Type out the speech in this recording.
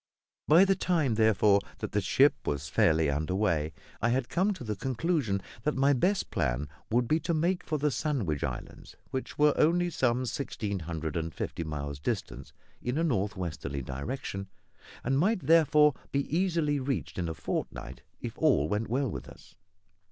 By the time, therefore, that the ship was fairly under way, I had come to the conclusion that my best plan would be to make for the Sandwich Islands, which were only some sixteen hundred and fifty miles distant, in a north westerly direction, and might therefore be easily reached in a fortnight, if all went well with us.